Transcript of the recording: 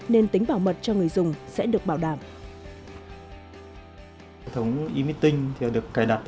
nên tính bảo mật cho người dùng sẽ được bảo đảm